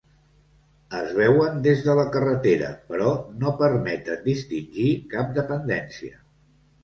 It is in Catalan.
Es veuen des de la carretera però no permeten distingir cap dependència.